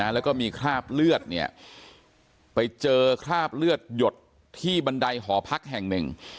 แล้วก็มีคราบเลือดไปเจอคราบเลือดหยดที่บันไดหอพักแห่งหนึ่ง